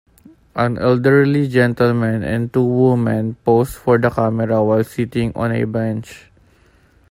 An elderly gentleman and two women post for the camera while sitting on a bench.